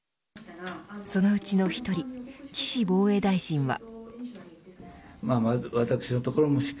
そのうちの１人岸防衛大臣は。